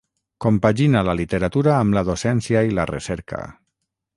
Compagina la literatura amb la docència i la recerca.